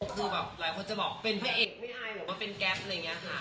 คือแบบหลายคนจะบอกเป็นเพิ่งเอกไม่ใช่เหรอเป็นแก๊ปอะไรอย่างเงี้ย